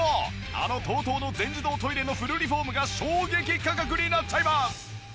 あのＴＯＴＯの全自動トイレのフルリフォームが衝撃価格になっちゃいます！